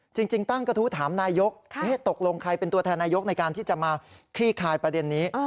จริงตั้งกระทู้ถามนายกตกลงใครเป็นตัวแทนนายกในการที่จะมาคลี่คลายประเด็นนี้